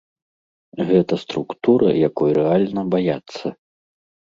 Гэта структура, якой рэальна баяцца.